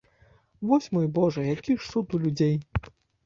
Вось, мой божа, які ж суд у людзей!